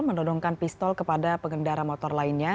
menodongkan pistol kepada pengendara motor lainnya